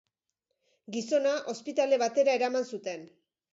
Gizona ospitale batera eraman zuten.